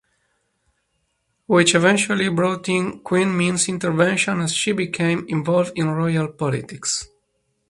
Which eventually brought in Queen Min’s intervention as she became involved in Royal politics.